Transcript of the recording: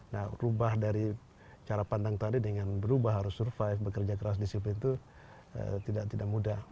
nah rubah dari cara pandang tadi dengan berubah harus survive bekerja keras disiplin itu tidak mudah